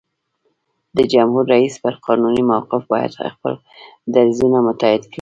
د جمهور رئیس پر قانوني موقف باید خپل دریځونه متحد کړي.